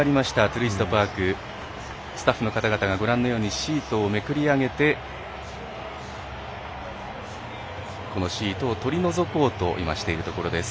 トゥルイストパークスタッフの方々がシートをめくり上げてシートを取り除こうとしているところです。